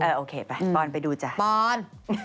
โอเคไปปอนไปดูจ้ะปอน